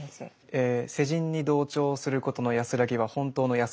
え世人に同調することの安らぎは本当の安らぎなのか。